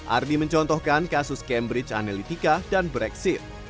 ardi mencontohkan kasus cambridge analytica dan brexit